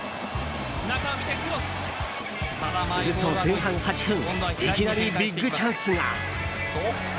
すると前半８分いきなりビッグチャンスが。